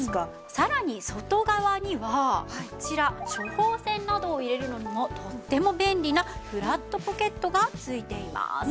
さらに外側にはこちら処方せんなどを入れるのにもとっても便利なフラットポケットがついています。